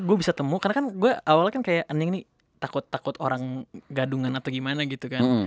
gue bisa temu karena kan gue awalnya kan kayak ending nih takut takut orang gadungan atau gimana gitu kan